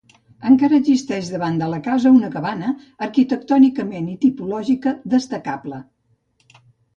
Encara existeix davant de la casa una cabana, arquitectònicament i tipològica destacable.